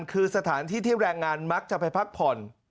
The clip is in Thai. คือสถานที่ที่แรงงานมักจะไปพักผ่อน